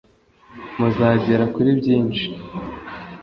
muzagera kuri byinshi